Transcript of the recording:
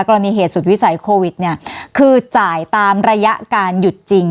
กรณีเหตุสุดวิสัยโควิดเนี่ยคือจ่ายตามระยะการหยุดจริง